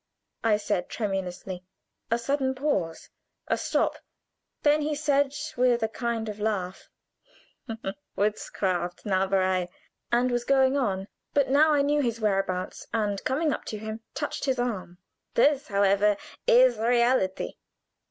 I said, tremulously. A sudden pause a stop; then he said with a kind of laugh: "Witchcraft Zauberei!" and was going on. But now I knew his whereabouts, and coming up to him, touched his arm. "This, however, is reality!"